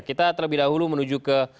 kita terlebih dahulu menuju ke